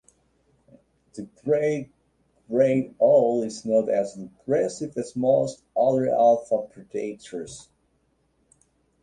The great grey owl is not as aggressive as most other alpha predators.